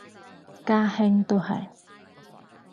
家兄都係